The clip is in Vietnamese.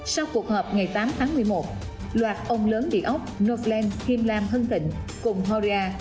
sau cuộc họp ngày tám tháng một mươi một loạt ông lớn địa ốc northland him lam hung thịnh cùng horia